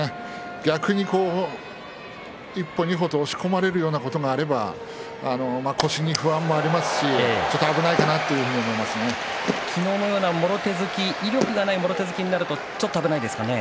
逆に一歩二歩と押し込まれるようなことがあれば腰に不安もありますしちょっと危ないかなっていうふう昨日のようなもろ手突き意欲のないもろ手突きになるとちょっと危ないですかね。